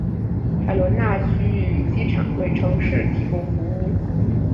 海伦娜区域机场为城市提供服务。